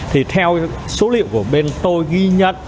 theo số liệu của bên tôi ghi nhận